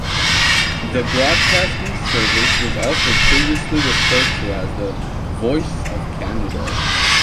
The broadcasting service was also previously referred to as the "Voice of Canada".